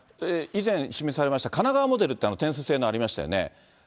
以前、示されました神奈川も出るっていう、点数制の、ありましたよね。